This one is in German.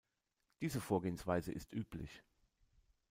Diese Vorgehensweise ist üblich.